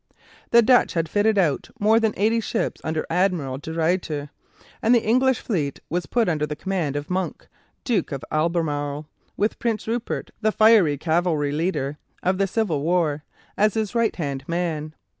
The Dutch had fitted out more than eighty ships under Admiral De Ruyter, and the English fleet was put under the command of Monk, Duke of Albemarle, with Prince Rupert, the fiery cavalry leader of the Civil War, as his right hand man.